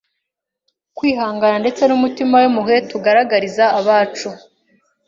kwihangana ndetse n’umutima w’impuhwe tugaragariza abacu.